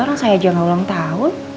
orang saya aja gak ulang tahun